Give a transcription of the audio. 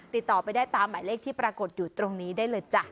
ติดต่อไปได้ตามหมายเลขที่ปรากฏอยู่ตรงนี้ได้เลยจ้ะ